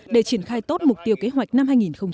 để triển khai tốt mục tiêu kế hoạch năm hai nghìn một mươi bảy